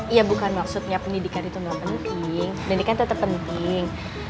iya bukan maksudnya pendidikan itu gak penting pendidikan tetap penting